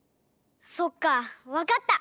そっかわかった！